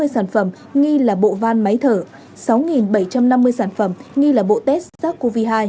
hai ba trăm tám mươi sản phẩm nghi là bộ van máy thở sáu bảy trăm năm mươi sản phẩm nghi là bộ test sars cov hai